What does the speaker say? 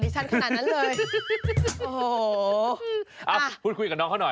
เอ้าพูดคุยกับน้องเขาน่ะ